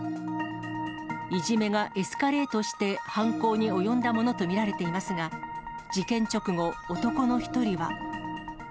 いじめがエスカレートして犯行に及んだものと見られていますが、事件直後、男の一人は。